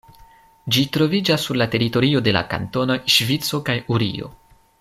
Ĝi troviĝas sur la teritorio de la kantonoj Ŝvico kaj Urio.